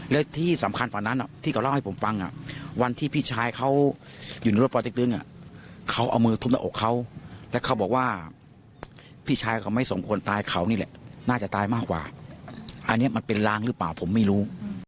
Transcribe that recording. และที่สำคัญกว่านั้นที่เขาเล่าให้ผมฟังวันที่พี่ชายเขาอยู่ในรถปเต็กตึงเขาเอามือทุบหน้าอกเขาแล้วเขาบอกว่าพี่ชายเขาไม่สมควรตายเขานี่แหละน่าจะตายมากกว่าอันนี้มันเป็นลางหรือเปล่าผมไม่รู้